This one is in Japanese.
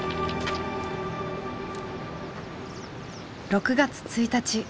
６月１日。